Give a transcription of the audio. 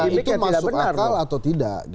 itu masuk akal atau tidak